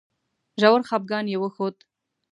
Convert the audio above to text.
ژور خپګان یې وښود.